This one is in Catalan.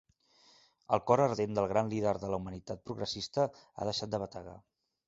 El cor ardent del gran líder de la humanitat progressista ha deixat de bategar.